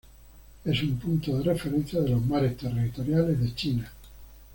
Es un punto de referencia de los mares territoriales de China.